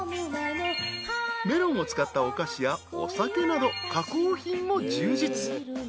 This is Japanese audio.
［メロンを使ったお菓子やお酒など加工品も充実］